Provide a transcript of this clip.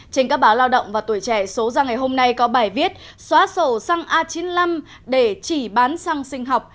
trên các báo lao động và tuổi trẻ số ra ngày hôm nay có bài viết xóa sổ xăng a chín mươi năm để chỉ bán xăng sinh học